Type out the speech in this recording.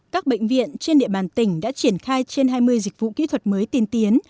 các bệnh viện trên địa bàn tỉnh đã triển khai trên hai mươi dịch vụ kỹ thuật mới tiên tiến